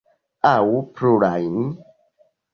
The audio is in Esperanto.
Aŭ plurajn?